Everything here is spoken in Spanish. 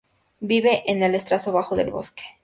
Vive en el estrato bajo del bosque.